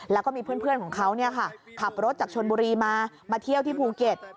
แล้วก็มีเพื่อนของเขาขับรถจากชนบุรีมามาเที่ยวที่ภูเก็ต